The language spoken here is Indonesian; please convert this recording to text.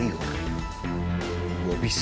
gue gak tahu sih